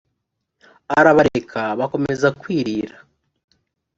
arabareka bakomeza kwirira